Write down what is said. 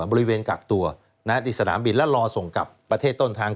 บริเวณกักตัวนะครับที่สนามบินแล้วรอส่งกลับประเทศต้นทาง